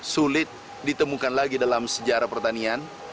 sulit ditemukan lagi dalam sejarah pertanian